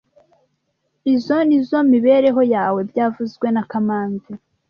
Izoi nizoo mibereho yawe byavuzwe na kamanzi